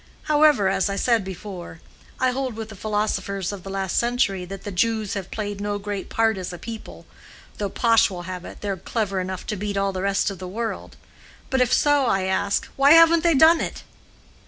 However, as I said before, I hold with the philosophers of the last century that the Jews have played no great part as a people, though Pash will have it they're clever enough to beat all the rest of the world. But if so, I ask, why haven't they done it?"